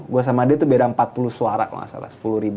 gue sama dia tuh beda empat puluh suara kalau nggak salah